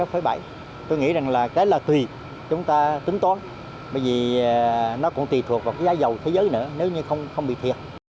tôi nghĩ là tùy chúng ta tính toán bởi vì nó cũng tùy thuộc vào giá dầu thế giới nữa nếu như không bị thiệt